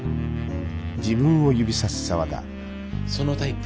そのタイプ。